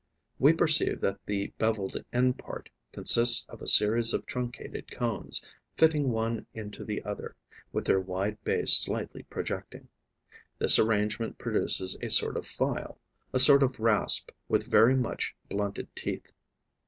We perceive that the bevelled end part consists of a series of truncated cones, fitting one into the other, with their wide base slightly projecting. This arrangement produces a sort of file, a sort of rasp with very much blunted teeth.